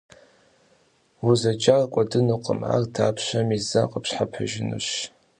Узэджар кӀуэдынукъым, ар дапщэми зэ къыпщхьэпэжынущ.